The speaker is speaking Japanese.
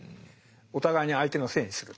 お互いに相手のせいにする。